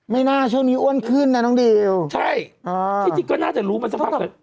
น่าช่วงนี้อ้วนขึ้นนะน้องดิวใช่อ๋อที่จริงก็น่าจะรู้มาสักพัก